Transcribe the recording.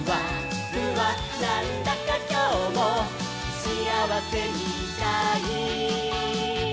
「なんだかきょうもしあわせみたい」